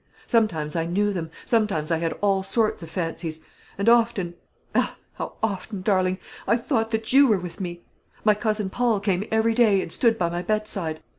Sometimes I knew them; sometimes I had all sorts of fancies. And often ah, how often, darling! I thought that you were with me. My cousin Paul came every day, and stood by my bedside.